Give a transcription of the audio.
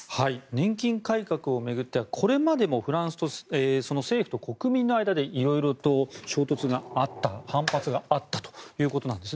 年金改革を巡ってはこれまでもフランス政府と国民の間で色々と衝突があった反発があったということなんです。